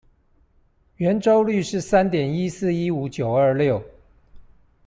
圓周率是三點一四一五九二六